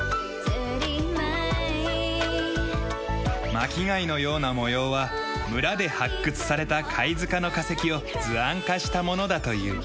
巻き貝のような模様は村で発掘された貝塚の化石を図案化したものだという。